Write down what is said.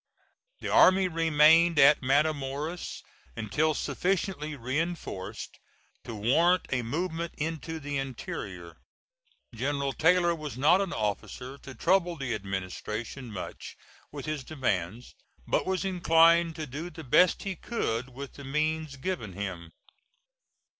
The army remained at Matamoras until sufficiently reinforced to warrant a movement into the interior. General Taylor was not an officer to trouble the administration much with his demands, but was inclined to do the best he could with the means given him.